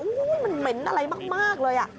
มันเหม็นอะไรมากเลย